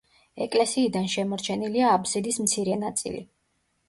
ეკლესიიდან შემორჩენილია აბსიდის მცირე ნაწილი.